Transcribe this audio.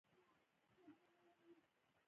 کلونه کلونه د "څنګه ښکارېدو" په اړه